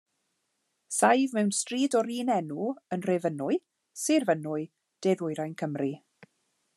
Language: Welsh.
Saif mewn stryd o'r un enw yn Nhrefynwy, Sir Fynwy, de-ddwyrain Cymru.